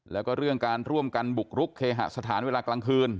แล้วก็เรื่องการร่วมกันบุกรุกเคหสถานเวลากลางคืน